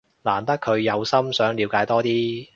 難得佢有心想了解多啲